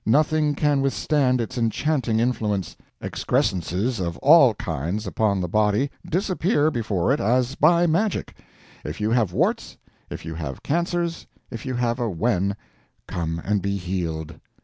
Nothing can with stand its enchanting influence. Excrescences of all kinds upon the body disappear before it as by magic. If you have warts, if you have cancers, if you have a wen, come and be healed!